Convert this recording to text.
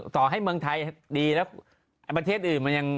ต่อให้เมืองไทยดีแล้วประเทศอื่นมันยัง